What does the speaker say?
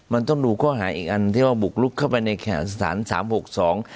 มันต้องดูข้ออาหารอีกอันที่บุกลุกเข้าไปในสถาน๓๖๒